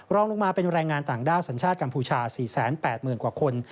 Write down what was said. รองลงมาเป็นแรงงานต่างด้าวสัญชาติกัมพูชา๔๘๐๐๐กว่าคน